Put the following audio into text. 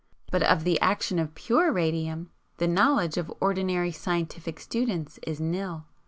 But of the action of PURE radium, the knowledge of ordinary scientific students is nil.